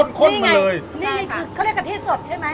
นี่คือเขาเรียกกะทิสดใช่ไหม